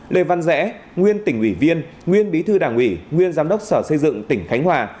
lê văn rẽ nguyên tỉnh ủy viên nguyên bí thư đảng ủy nguyên giám đốc sở xây dựng tỉnh khánh hòa